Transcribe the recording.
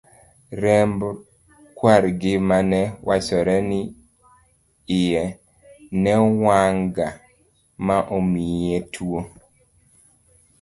remb kwargi mane wachore ni iye newang'ga ma omiye tuwo